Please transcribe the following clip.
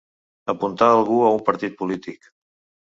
Apuntar algú a un partit polític.